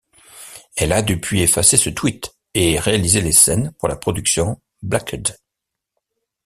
Elle a depuis effacé ce tweet, et réalisé les scènes pour la production Blacked.